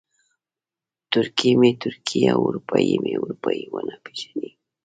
ترکي مې ترکي او اروپایي مې اروپایي ونه پېژني.